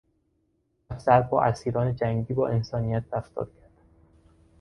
افسر با اسیران جنگی با انسانیت رفتار کرد.